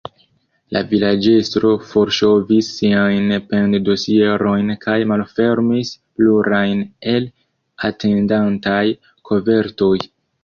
La vilaĝestro forŝovis siajn pend-dosierojn kaj malfermis plurajn el atendantaj kovertoj.